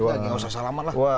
enggak usah salaman lah